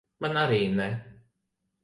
Man arī ne.